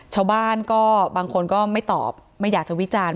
ชาวบ้านก็บางคนก็ไม่ตอบไม่อยากจะวิจารณ์